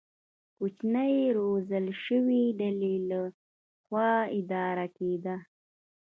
کوچنۍ روزل شوې ډلې له خوا اداره کېده.